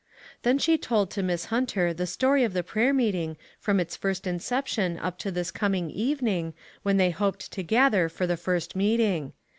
Then she told to Miss Hunter the story of the prayer meeting from its first incep tion up to this coming evening, when they hoped to gather for the first meeting.